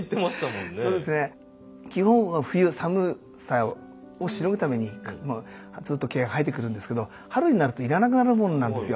基本は冬寒さをしのぐためにずっと毛が生えてくるんですけど春になるといらなくなるものなんですよ。